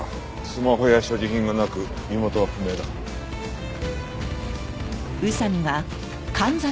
スマホや所持品がなく身元は不明だ。